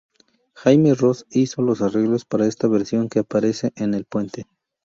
Jaime Roos hizo los arreglos para esta versión que aparece en "El puente".